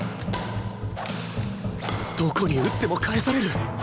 どこに打っても返される